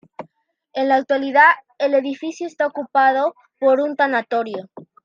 En la actualidad el edificio está ocupado por un tanatorio.